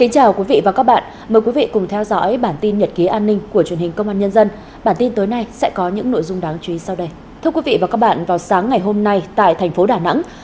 chào mừng quý vị đến với bản tin nhật ký an ninh của truyền hình công an nhân dân